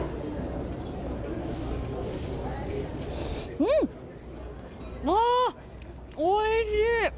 うん、おいしい！